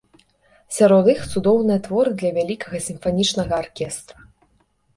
Сярод іх цудоўныя творы для вялікага сімфанічнага аркестра.